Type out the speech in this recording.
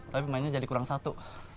tapi mainnya jadi kurang satu